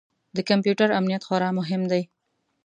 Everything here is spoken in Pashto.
د کمپیوټر امنیت خورا مهم دی.